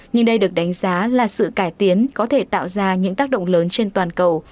nhưng đây được đánh giá là sự cải tiến có thể tạo ra những tác động lớn trên toàn cầu